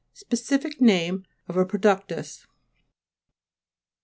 Specific name of a productus.